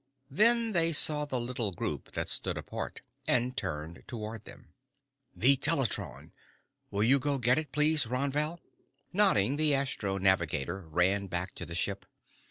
Then they saw the little group that stood apart and turned toward them. "The teletron. Will you go get it, please, Ron Val?" Nodding, the astro navigator ran back to the ship.